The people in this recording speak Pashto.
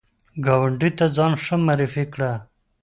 ګاونډي ته ځان ښه معرفي کړه